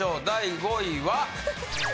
第５位は。